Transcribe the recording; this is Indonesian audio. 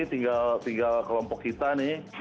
tinggal kelompok kita ini